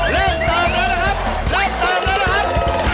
เริ่มต่อแล้วนะครับ